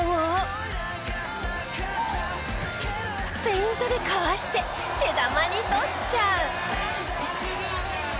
フェイントでかわして手玉に取っちゃう。